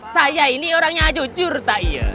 saya ini orangnya jujur tak iya